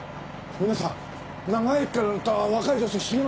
皆さん長井駅から乗った若い女性知りませんか？